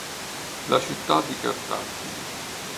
La città di Cartagine.